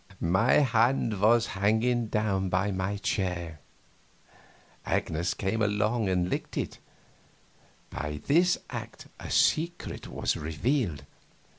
My hand was hanging down by my chair; Agnes came along and licked it; by this act a secret was revealed.